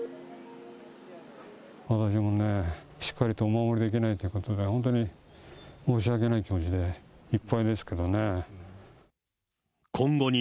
私もね、しっかりとお守りできないということが、本当に申し訳ない気持ちでいっぱいですけどね。